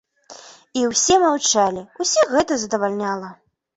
І ўсе маўчалі, усіх гэта задавальняла.